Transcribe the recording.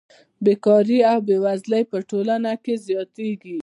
بېکاري او بېوزلي په ټولنه کې زیاتېږي